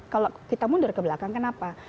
kalau kita mundur ke belakang kenapa